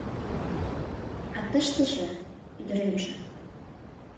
А тыштыже, ӱдыремже?